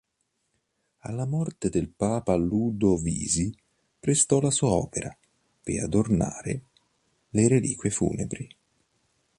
Alla morte del Papa Ludovisi, prestò la sua opera per adornare le reliquie funebri.